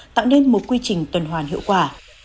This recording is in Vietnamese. tạo nên một quy trình tuần hoàn hiệu quả